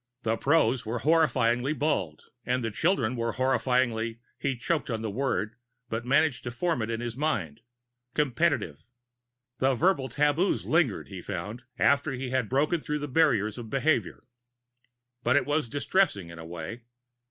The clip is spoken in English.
The prose was horrifyingly bald and the children were horrifyingly he choked on the word, but managed to form it in his mind competitive. The verbal taboos lingered, he found, after he had broken through the barriers of behavior. But it was distressing, in a way.